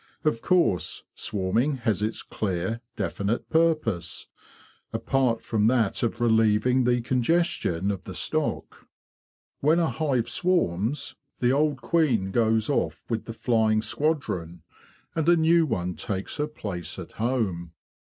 Of course, swarming has its clear, definite purpose, apart from that of relieving the congestion of the stock. When a hive swarms, the old queen goes 54 THE BEE MASTER OF WARRILOW off with the flying squadron, and a new one takes her place at home.